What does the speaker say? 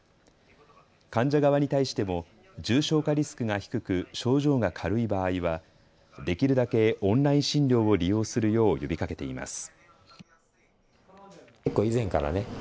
患者側に対しても重症化リスクが低く症状が軽い場合はできるだけオンライン診療を利用するよう呼びかけています。